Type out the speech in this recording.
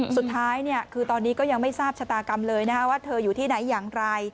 สุดท้ายคือตอนนี้ก็ยังไม่ทราบชะตากรรมเลยว่าเธออยู่ที่ไหนอย่างไร